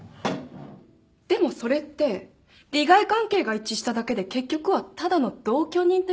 でもそれって利害関係が一致しただけで結局はただの同居人ということですよね。